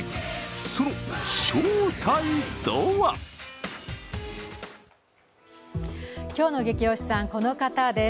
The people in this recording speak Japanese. その正体とは今日のゲキ推しさん、この方です。